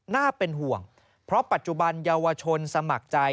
น่าเป็นห่วงเพราะปัจจุบันเยาวชนสมัครใจ